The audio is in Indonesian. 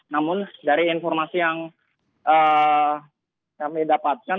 namun dari informasi yang kami dapatkan